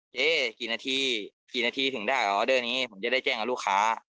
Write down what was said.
เจ๊กี่นาทีถึงได้ออเดอร์นี้ผมจะได้แจ้งกับลูกค้า